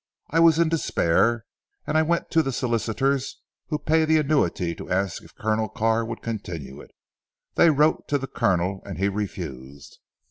I was in despair, and I went to the solicitors who pay the annuity to ask if Colonel Carr would continue it. They wrote to the Colonel and he refused.